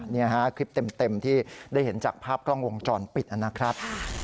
นี่ฮะคลิปเต็มที่ได้เห็นจากภาพกล้องวงจรปิดนะครับ